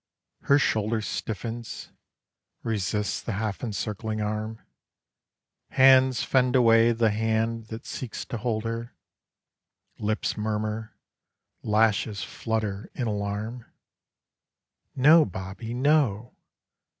Her shoulder Stiffens; resists the half encircling arm. Hands fend away the hand that seeks to hold her. Lips murmur. Lashes flutter in alarm. "No, Bobbie. No."